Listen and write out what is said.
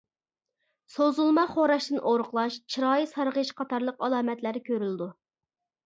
سوزۇلما خوراشتىن ئورۇقلاش، چىرايى سارغىيىش قاتارلىق ئالامەتلەر كۆرۈلىدۇ.